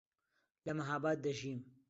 لە مەهاباد دەژیم.